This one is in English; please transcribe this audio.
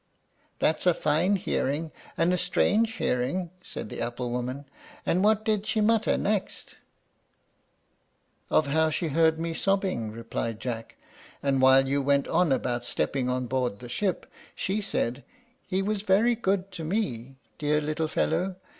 '" "That's a fine hearing, and a strange hearing," said the apple woman; "and what did she mutter next?" "Of how she heard me sobbing," replied Jack; "and while you went on about stepping on board the ship, she said, 'He was very good to me, dear little fellow!